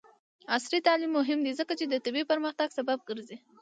عصري تعلیم مهم دی ځکه چې د طبي پرمختګ سبب ګرځي.